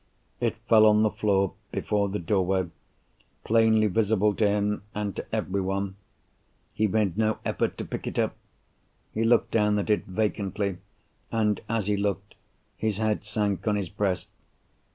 It fell on the floor, before the doorway—plainly visible to him, and to everyone. He made no effort to pick it up: he looked down at it vacantly, and, as he looked, his head sank on his breast.